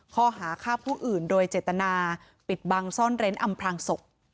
ข้อหาฆ่าผู้อื่นโดยเจตนาปิดบังซ่อนเร้นอำพลังศพ